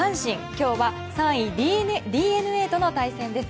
今日は３位、ＤｅＮＡとの対戦です。